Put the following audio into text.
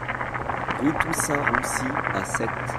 Rue Toussaint Roussy à Sète